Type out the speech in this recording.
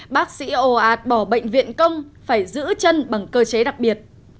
bác sĩ ồ ạt bỏ bệnh viện công phải giữ chân bằng cơ chế đặc biệt